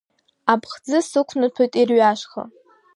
Аԥхӡы сықәнаҭәоит ирҩашха.